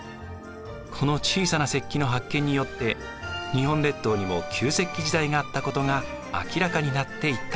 この小さな石器の発見によって日本列島にも旧石器時代があったことが明らかになっていったのです。